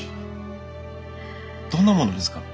どんなものですか？